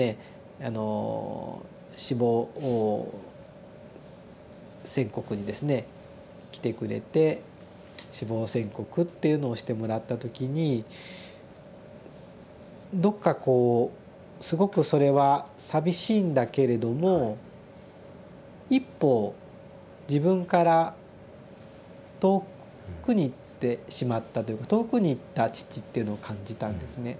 あの死亡宣告にですね来てくれて死亡宣告っていうのをしてもらった時にどっかこうすごくそれは寂しいんだけれども一方自分から遠くに行ってしまったというか遠くに行った父っていうのを感じたんですね。